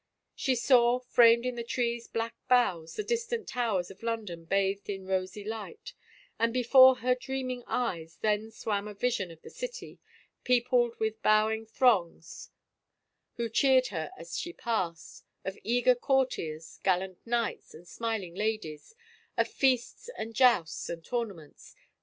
She saw, framed in the trees' black bdughs, the distant towers of London bathed in rosy light, and before her dreaming eyes then swam a vision of the city, peopled 112 A VISION OF A CROWN with bowing throngs who cheered her as she passed, of eager courtiers, gallant knights and smiling ladies, of feasts and jousts and tournaments